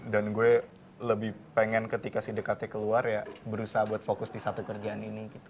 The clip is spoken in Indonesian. dan gue lebih pengen ketika si dekatnya keluar ya berusaha buat fokus di satu kerjaan ini gitu